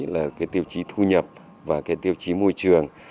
là tiêu chí thu nhập và tiêu chí môi trường